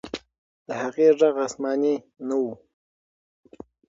د هغې ږغ آسماني نه و.